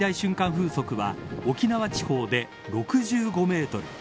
風速は沖縄地方で６５メートル。